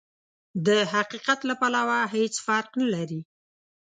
د حقيقت له پلوه هېڅ فرق نه لري.